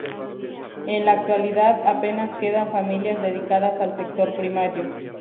En la actualidad, apenas quedan familias dedicadas al sector primario.